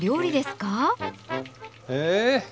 え？